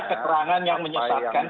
keterangan yang menyesatkan